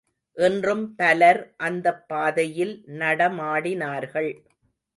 இன்றும் பலர் அந்தப் பாதையில் நடமாடினார்கள்.